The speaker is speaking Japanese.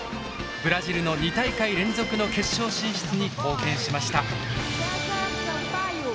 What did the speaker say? ブラジルの２大会連続の決勝進出に貢献しました。